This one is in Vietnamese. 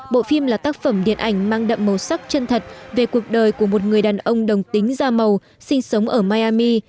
bộ phim là tác phẩm điện ảnh mang đậm màu sắc chân thật về cuộc đời của một người đàn ông đồng tính da màu sinh sống ở maiami